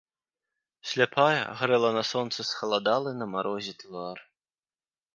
Сляпая грэла на сонцы схаладалы на марозе твар.